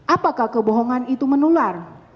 apakah kebohongan itu menular